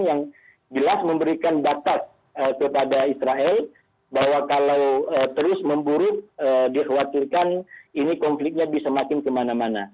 yang jelas memberikan batas kepada israel bahwa kalau terus memburuk dikhawatirkan ini konfliknya bisa makin kemana mana